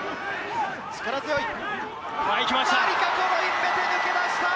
力強いマリカ・コロインベテ、抜け出した！